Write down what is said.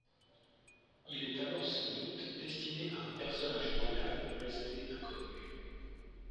Il est alors sans doute destiné à un personnage royal resté inconnu.